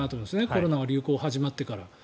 コロナの流行が始まってから。